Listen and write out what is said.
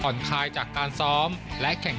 ด้านนักกีฬานอกจากการได้มารับประทานอาหารไทยให้อิ่มท้อง